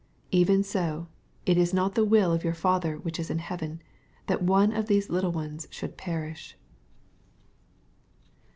14 Even so it is not the will of your Father which is in heaven, that one of these little ones should perish.